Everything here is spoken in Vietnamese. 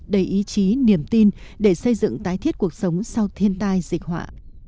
đầy ý chí niềm tin để xây dựng tái thiết cuộc sống sau thiên tai dịch họa